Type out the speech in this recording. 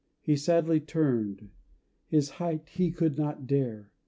He sadly turned, this height he could not dare.